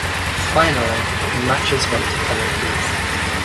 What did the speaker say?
Finally, the matches went to penalties.